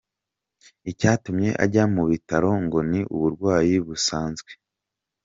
Icyatumye ajya mu bitaro ngo ni uburwayi busanzwe.